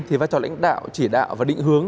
thì vai trò lãnh đạo chỉ đạo và định hướng